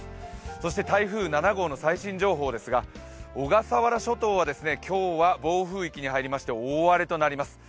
そして台風７号の最新情報ですが小笠原諸島は今日は暴風域に入りまして大荒れとなります。